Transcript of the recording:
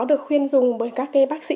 được khuyên dùng bởi các cái bác sĩ